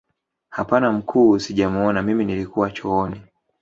Hapana mkuu sijamuona mimi nilikuwa chooni